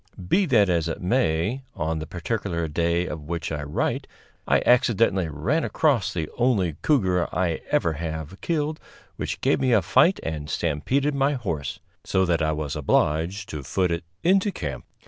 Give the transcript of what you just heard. Be that as it may, on the particular day of which I write I accidentally ran across the only cougar I ever have killed which gave me a fight and stampeded my horse, so that I was obliged to foot it into camp.